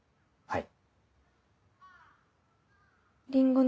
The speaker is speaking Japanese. はい。